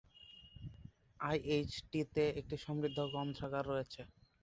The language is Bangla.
আই, এইচ, টি তে একটি সমৃদ্ধ গ্রন্থাগার রয়েছে।